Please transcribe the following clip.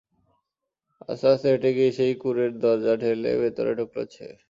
আস্তে আস্তে হেঁটে গিয়ে সেই কুঁড়ের দরজা ঠেলে ভেতরে ঢুকল সে।